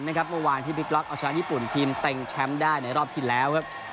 เมื่อวานที่บิ๊กล็อกเอาชนะญี่ปุ่นทีมเต็งแชมป์ได้ในรอบที่แล้วครับ